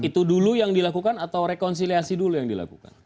itu dulu yang dilakukan atau rekonsiliasi dulu yang dilakukan